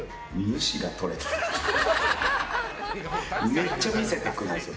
めっちゃ見せてくるんですよ。